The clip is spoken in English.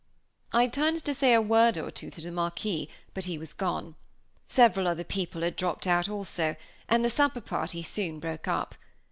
I turned to say a word or two to the Marquis, but he was gone. Several other people had dropped out also, and the supper party soon broke up.